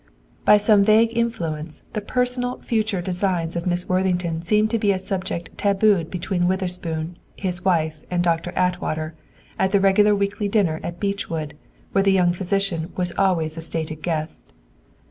By some vague influence, the personal future designs of Miss Worthington seemed to be a subject tabooed between Witherspoon, his wife, and Doctor Atwater, at the regular weekly dinner at Beechwood, where the young physician was always a stated guest.